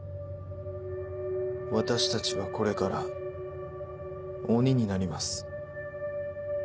私たちはこれから鬼になります。